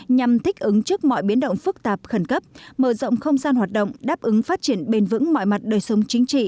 nhằm thích ứng trước mọi biến động phức tạp khẩn cấp mở rộng không gian hoạt động đáp ứng phát triển bền vững mọi mặt đời sống chính trị